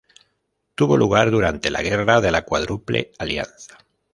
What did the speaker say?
Tuvo lugar durante la Guerra de la Cuádruple Alianza.